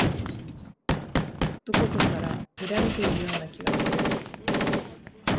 どこかから見られているような気がする。